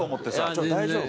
ちょっと大丈夫？